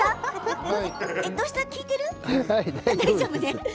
大丈夫。